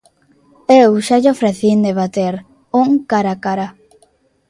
Eu xa lle ofrecín debater: un cara a cara.